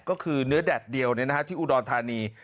ก็คือเนื้อแดดเดียวที่อุดรธานี